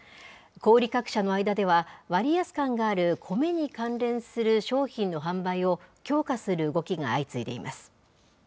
小売り各社の間では、割安感があるコメに関連する商品の販売を強化する動きが相次いでいます。